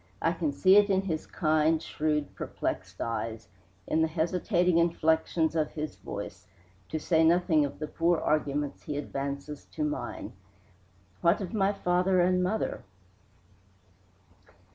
I can see it in his kind, shrewd, perplexed eyes, in the hesitating inflections of his voice, to say nothing of the poor arguments he advances to mine. What of my father and mother?"